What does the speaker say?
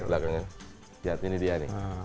lihat ini dia nih